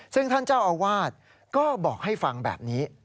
ซึ่งท่านเจ้าอาวาสก็บอกให้ฟังแบบนี้